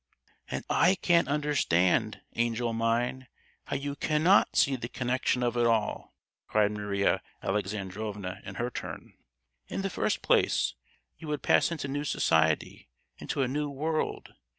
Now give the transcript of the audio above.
"And I can't understand, angel mine, how you cannot see the connection of it all!" cried Maria Alexandrovna, in her turn. "In the first place, you would pass into new society, into a new world.